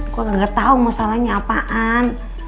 gue gak tau masalahnya apaan